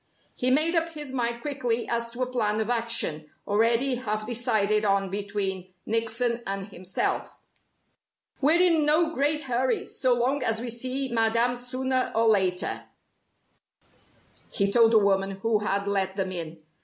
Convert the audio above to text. He made up his mind quickly as to a plan of action, already half decided on between Nickson and himself. "We're in no great hurry, so long as we see Madame sooner or later," he told the woman who had let them in.